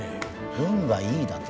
運がいいだと？